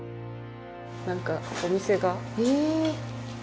何かお店が。え。